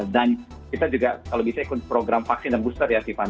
dan kita juga kalau bisa ikut program vaksin dan booster ya tiffany